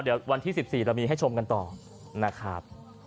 เดี๋ยววันที่๑๔เรามีให้ชมกันต่อนะครับ